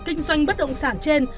kinh doanh bất động sản trên